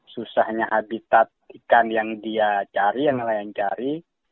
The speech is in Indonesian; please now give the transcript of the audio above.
susahnya habitat ikan yang dia cari yang nelayan cari